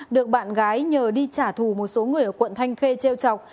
được bạn gái nhờ đi trả thù một số người ở quận thanh khê treo chọc